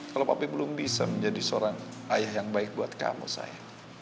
kalau papi belum bisa menjadi seorang ayah yang baik buat kamu saya